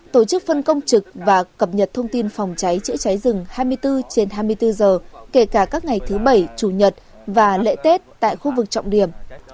tổ chức phân công trực và cập nhật thông tin phòng cháy chữa cháy rừng hai mươi bốn trên hai mươi bốn giờ kể cả các ngày thứ bảy chủ nhật và lễ tết tại khu vực trọng điểm